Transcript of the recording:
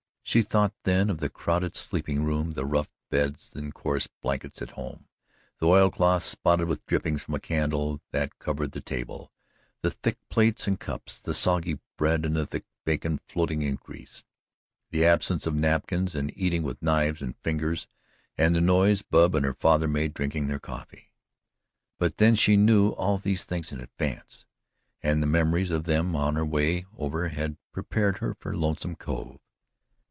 She thought then of the crowded sleeping room, the rough beds and coarse blankets at home; the oil cloth, spotted with drippings from a candle, that covered the table; the thick plates and cups; the soggy bread and the thick bacon floating in grease; the absence of napkins, the eating with knives and fingers and the noise Bub and her father made drinking their coffee. But then she knew all these things in advance, and the memories of them on her way over had prepared her for Lonesome Cove.